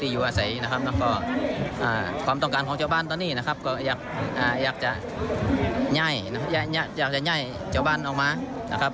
อยากจะย่ายเจ้าบ้านออกมา